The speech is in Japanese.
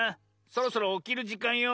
そろそろおきるじかんよ。